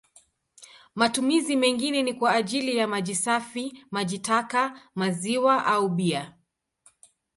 Matumizi mengine ni kwa ajili ya maji safi, maji taka, maziwa au bia.